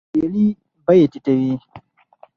سیالي بیې ټیټوي.